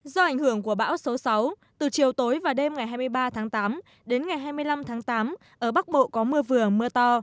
do ảnh hưởng của bão số sáu từ chiều tối và đêm ngày hai mươi ba tháng tám đến ngày hai mươi năm tháng tám ở bắc bộ có mưa vừa mưa to